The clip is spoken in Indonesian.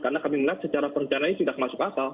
karena kami melihat secara perencanaan ini tidak masuk akal